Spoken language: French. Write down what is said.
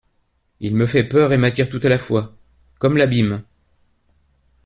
il me fait peur et m'attire tout à la fois … comme l'abîme.